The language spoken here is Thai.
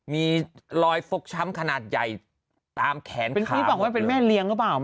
มีรอยฟกช้ำขนาดใหญ่ตามแขนเป็นที่บอกว่าเป็นแม่เลี้ยงหรือเปล่า